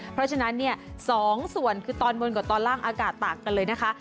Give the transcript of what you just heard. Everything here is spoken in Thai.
เพราะฉะนั้นเนี่ย๒ส่วนคือตอนบนกับตอนล่างอากาศต่างกันเลยนะคะ